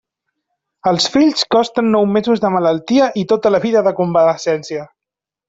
Els fills costen nou mesos de malaltia i tota la vida de convalescència.